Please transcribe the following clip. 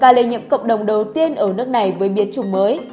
và lây nhiễm cộng đồng đầu tiên ở nước này với biến chủng mới